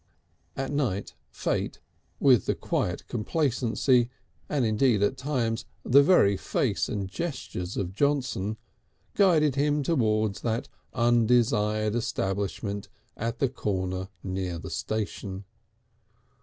All night, Fate, with the quiet complacency, and indeed at times the very face and gestures of Johnson, guided him towards that undesired establishment at the corner near the station.